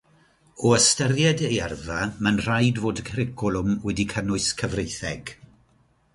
O ystyried ei yrfa, mae'n rhaid fod y cwricwlwm wedi cynnwys cyfreitheg.